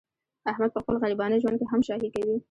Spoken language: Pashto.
احمد په خپل غریبانه ژوند کې هم شاهي کوي.